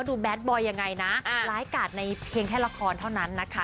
ดูแดดบอยยังไงนะไลฟ์การ์ดในเพียงแค่ละครเท่านั้นนะคะ